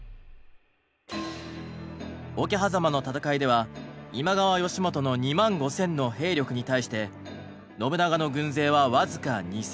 桶狭間の戦いでは今川義元の２万５，０００の兵力に対して信長の軍勢は僅か２，０００でした。